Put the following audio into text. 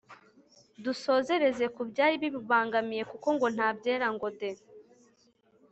dusozereze ku byari bibubangamiye kuko ngo "nta byera ngo de”